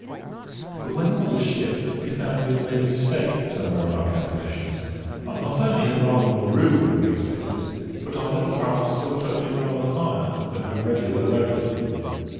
But when all was shipped, we found we had made a mistake somewhere in our calculations, and not only had rather more room than we expected, but our little craft still floated rather higher than her regular load line.